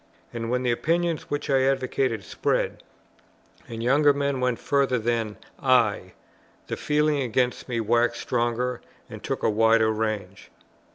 And when the opinions which I advocated spread, and younger men went further than I, the feeling against me waxed stronger and took a wider range.